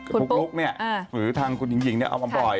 พนี่ปุ๊กถึงหรือทางคุณหญิงเอามาปล่อย